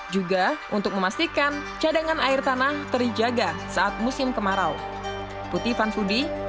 juga untuk memastikan cadangan air tanah terjaga saat musim kemarau